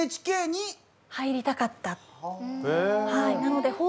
ＮＨＫに入りたかったんですか？